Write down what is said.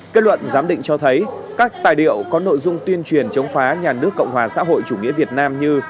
kết luận giám định cho thấy các tài liệu có nội dung tuyên truyền chống phá nhà nước cộng hòa xã hội chủ nghĩa việt nam như